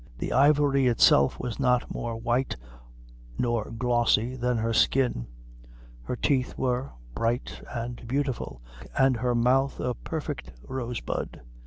The ivory itself was not more white nor glossy than her skin; her teeth were bright and beautiful, and her mouth a perfect rosebud.